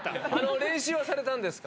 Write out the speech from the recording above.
練習はされたんですか？